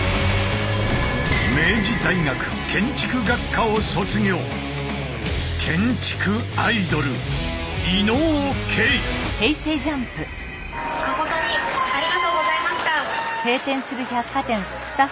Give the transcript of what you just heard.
明治大学建築学科を卒業まことにありがとうございました。